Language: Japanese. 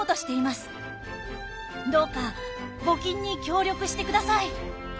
どうか募金に協力してください。